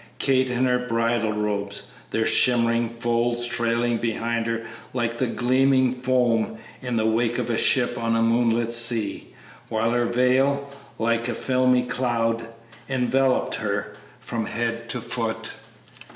Kate in her bridal robes, their shimmering folds trailing behind her like the gleaming foam in the wake of a ship on a moonlit sea, while her veil, like a filmy cloud, enveloped her from head to foot.